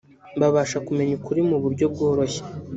babasha kumenya ukuri mu buryo bworoshye